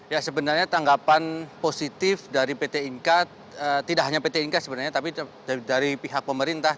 ya sebenarnya tanggapan positif dari pt inka tidak hanya pt inka sebenarnya tapi dari pihak pemerintah